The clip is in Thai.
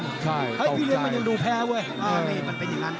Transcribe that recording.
พี่เลี้ยงมันยังหนูแพ้เว้ย